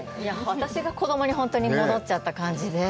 私が子供に戻っちゃった感じで。